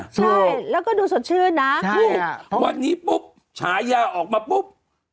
ใช่แล้วก็ดูสดชื่นนะถูกวันนี้ปุ๊บฉายาออกมาปุ๊บ